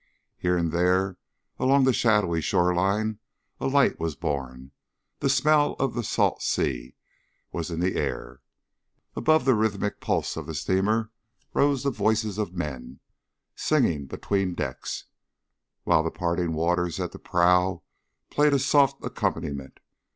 Here and there along the shadowy shore line a light was born; the smell of the salt sea was in the air. Above the rhythmic pulse of the steamer rose the voices of men singing between decks, while the parting waters at the prow played a soft accompaniment.